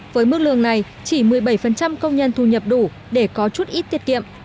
với mức lương này chỉ một mươi bảy công nhân thu nhập đủ để có chút ít tiết kiệm